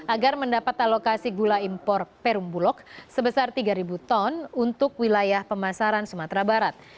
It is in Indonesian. agar mendapat alokasi gula impor perumbulok sebesar tiga ton untuk wilayah pemasaran sumatera barat